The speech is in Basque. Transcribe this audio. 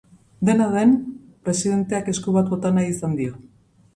Dena den, presidenteak esku bat bota nahi izan dio.